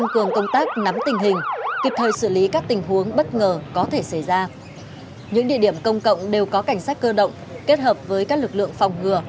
công tác an ninh an toàn được đặt lên hàng đồng